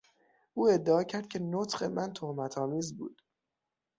او ادعا کرد که نطق من تهمت آمیز بود.